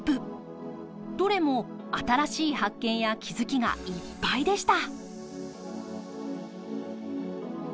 どれも新しい発見や気付きがいっぱいでした。